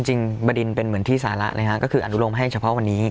จริงบดินเป็นเหมือนที่สาระนะฮะก็คืออนุโลมให้เฉพาะวันนี้